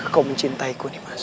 kau mencintaiku nih mas